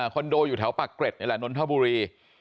คอนโดอยู่แถวปะเกร็ดนี่แหละน้นนทบุหรี่